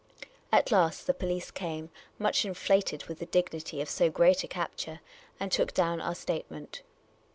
At last the police came, much inflated with the dignity of so great a capture, and took down our statement.